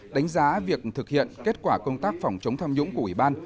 đánh giá việc thực hiện kết quả công tác phòng chống tham nhũng của ủy ban